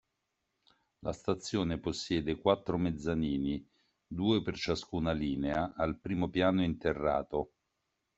La stazione possiede quattro mezzanini, due per ciascuna linea, al primo piano interrato.